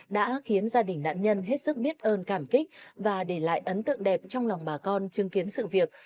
đã khiến gia đình nạn nhân hết sức biết ơn cảm kích và để lại ấn tượng đẹp trong lòng bà con chứng kiến sự việc